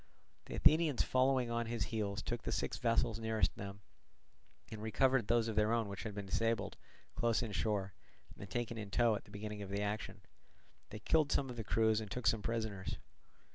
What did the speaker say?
The Athenians following on his heels took the six vessels nearest them, and recovered those of their own which had been disabled close inshore and taken in tow at the beginning of the action; they killed some of the crews and took some prisoners.